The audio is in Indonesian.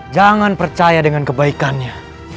jangan percaya dengan kebaikannya